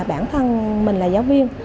bản thân mình là giáo viên